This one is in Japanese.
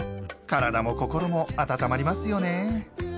体も心も温まりますよね。